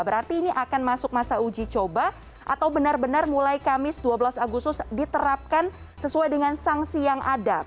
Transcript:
berarti ini akan masuk masa uji coba atau benar benar mulai kamis dua belas agustus diterapkan sesuai dengan sanksi yang ada